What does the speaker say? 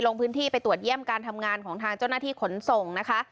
ลงพื้นที่ไปตรวจเยี่ยมการทำงานของทางเจ้าหน้าที่ขนส่งนะคะ